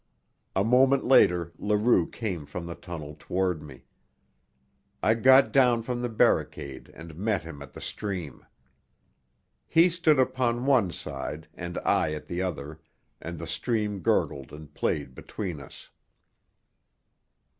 A moment later Leroux came from the tunnel toward me. I got down from the barricade and met him at the stream. He stood upon one side and I at the other, and the stream gurgled and played between us.